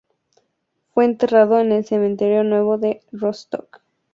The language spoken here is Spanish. Fue enterrado en el Cementerio Nuevo de Rostock.